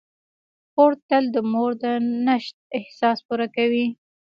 خور تل د مور د نشت احساس پوره کوي.